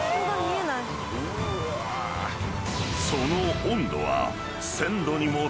［その温度は］